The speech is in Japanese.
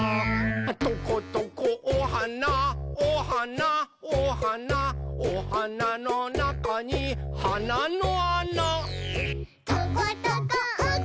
「トコトコおはなおはなおはなおはなのなかにはなのあな」「トコトコおくちおくち